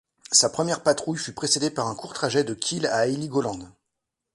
Sa première patrouille fut précédé par un court trajet de Kiel à Heligoland.